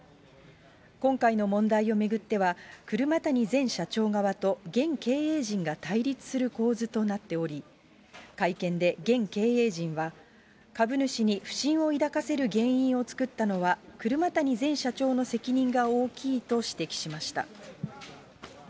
今回の問題を巡っては、車谷前社長側と現経営陣が対立する構図となっており、会見で現経営陣は、株主に不審を抱かせる原因を作ったのは、車谷前社長の責任が大きいと指摘しました。